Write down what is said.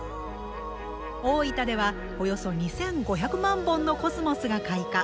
大分では、およそ２５００万本のコスモスが開花。